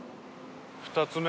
２つ目。